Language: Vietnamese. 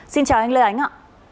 xin chào anh lê ánh ạ